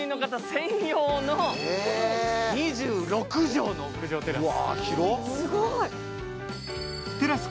専用の２６畳の屋上テラス。